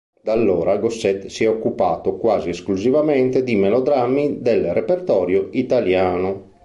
Da allora, Gossett si è occupato quasi esclusivamente di melodrammi del repertorio italiano.